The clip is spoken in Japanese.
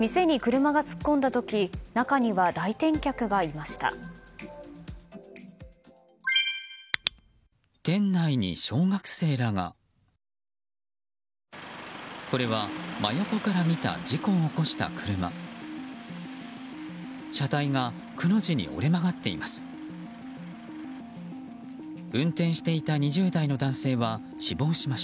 車体がくの字に折れ曲がっています。